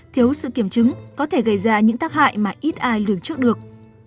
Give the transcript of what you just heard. thiếu sự kiểm chứng có thể gây ra những tác hại mà ít ai lường trước được